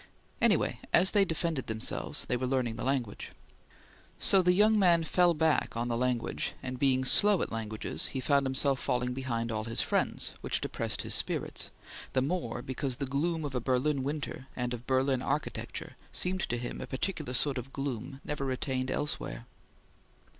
Anyway, as they defended themselves, they were learning the language. So the young man fell back on the language, and being slow at languages, he found himself falling behind all his friends, which depressed his spirits, the more because the gloom of a Berlin winter and of Berlin architecture seemed to him a particular sort of gloom never attained elsewhere.